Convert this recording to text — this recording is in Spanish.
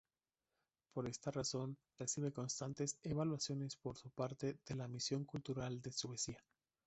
Por esta razón recibe constantes evaluaciones por parte de la Misión Cultural de Suecia.